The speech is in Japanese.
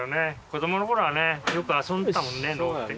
子どものころはねよく遊んでたもんね登って。